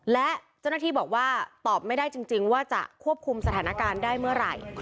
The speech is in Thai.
และเจ้าหน้าที่บอกว่าตอบไม่ได้จริงว่าจะควบคุมสถานการณ์ได้เมื่อไหร่